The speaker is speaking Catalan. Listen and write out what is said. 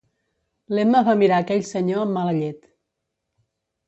L'Emma va mirar aquell senyor amb mala llet.